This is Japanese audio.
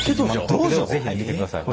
是非見てください。